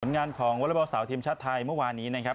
ผลงานของวลบสาวทีมชาติไทยเมื่อวานี้นะครับ